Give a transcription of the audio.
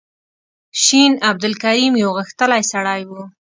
شین عبدالکریم یو غښتلی سړی و.